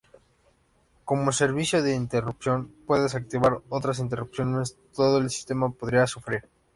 Como servicio de interrupción puede desactivar otras interrupciones, todo el sistema podría sufrir.